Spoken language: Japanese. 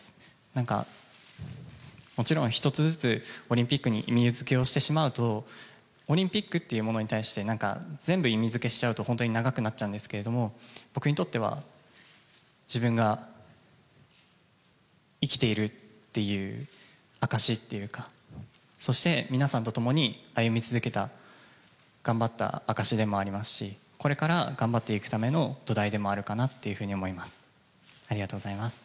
なんか、もちろん一つずつオリンピックに意味づけをしてしまうと、オリンピックっていうものに対して、なんか全部意味づけしちゃうと本当に長くなっちゃうんですけれども、僕にとっては、自分が生きているっていう証しっていうか、そして、皆さんと共に歩み続けた、頑張った証しでもありますし、これから頑張っていくための土台でもあるかなっていうふうに思います。